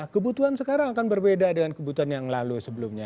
kebutuhan sekarang akan berbeda dengan kebutuhan yang lalu sebelumnya